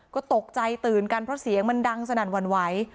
ก็ตกใจตื่นกันเพราะเสียงมันดังสนั่นหวั่นไหว